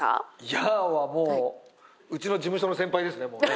ヤーはもううちの事務所の先輩ですねもうね。